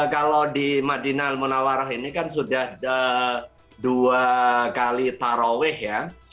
kalau di madinah munawarah ini kan sudah dua kali taraweh ya